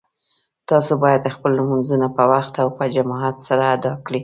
تاسو باید خپل لمونځونه په وخت او په جماعت سره ادا کړئ